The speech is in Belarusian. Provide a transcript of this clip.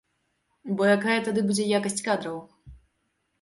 Бо якая тады будзе якасць кадраў?